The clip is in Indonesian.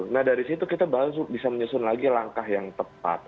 nah dari situ kita baru bisa menyusun lagi langkah yang tepat